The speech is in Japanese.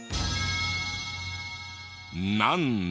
なんだ？